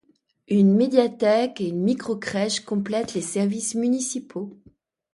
Une médiathèque et une micro-crèche complètent les services municipaux.